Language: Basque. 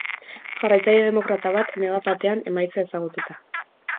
Jarraitzaile demokrata bat, negar batean, emaitza ezagututa.